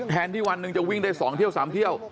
แทนที่วันนึงจะวิ่งได้๒๓เที่ยว